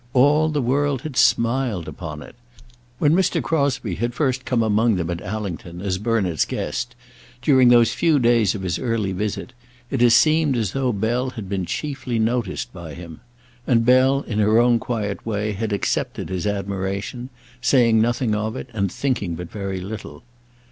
All the world had smiled upon it. When Mr. Crosbie had first come among them at Allington, as Bernard's guest, during those few days of his early visit, it had seemed as though Bell had been chiefly noticed by him. And Bell in her own quiet way had accepted his admiration, saying nothing of it and thinking but very little.